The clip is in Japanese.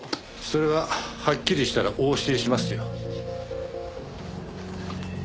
それははっきりしたらお教えしますよ。